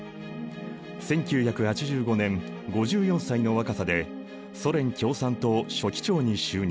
１９８５年５４歳の若さでソ連共産党書記長に就任。